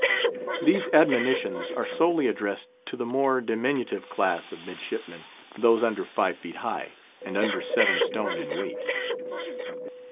These admonitions are solely addressed to the more diminutive class of midshipmen—those under five feet high, and under seven stone in weight.